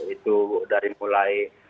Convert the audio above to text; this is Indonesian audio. itu dari mulai